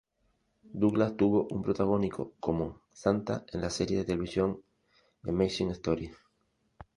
Douglas tuvo un protagónico como Santa en la serie de televisión "Amazing Stories".